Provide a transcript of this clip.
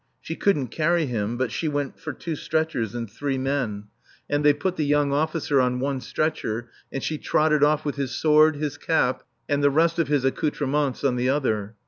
She couldn't carry him, but she went for two stretchers and three men; and they put the young officer on one stretcher, and she trotted off with his sword, his cap and the rest of his accoutrements on the other.